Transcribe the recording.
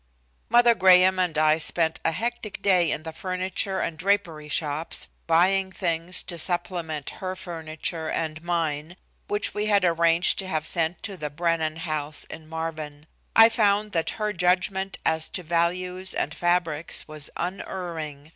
Mother Graham and I spent a hectic day in the furniture and drapery shops, buying things to supplement her furniture and mine, which we had arranged to have sent to the Brennan house in Marvin. I found that her judgment as to values and fabrics was unerring.